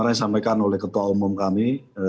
saya juga mengingatkan oleh ketua umum kami